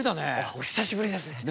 お久しぶりです。